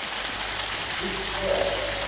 ซีฟโก้